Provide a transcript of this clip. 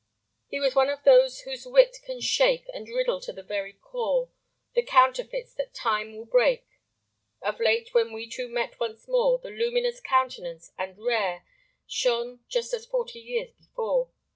He was of those whose wit can shake And riddle to the very core The counterfeits that Time will break.... Of late, when we two met once more, The luminous countenance and rare Shone just as forty years before.